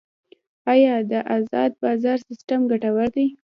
آیا د ازاد بازار سیستم ګټور دی؟